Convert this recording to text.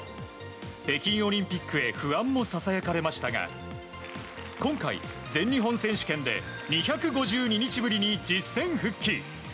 北京オリンピックへ不安もささやかれましたが今回、全日本選手権で２５２日ぶりに実戦復帰。